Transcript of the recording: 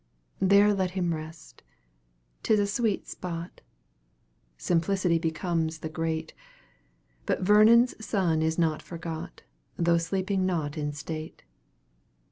There let him rest 't is a sweet spot; Simplicity becomes the great But Vernon's son is not forgot, Though sleeping not in state.